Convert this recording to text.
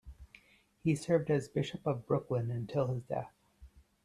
He served as Bishop of Brooklyn until his death.